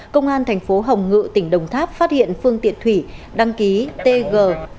công an thành phố hồng ngự tỉnh đồng tháp phát hiện phương tiện thủy đăng ký tg tám nghìn sáu trăm bảy mươi năm